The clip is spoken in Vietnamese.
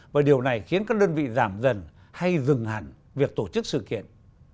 và điều này khiến các đơn vị giảm dần hay dừng hẳn việc tổ chức sự kiện